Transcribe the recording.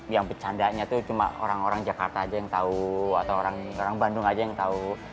yang bercandanya itu cuma orang orang jakarta aja yang tahu atau orang bandung aja yang tahu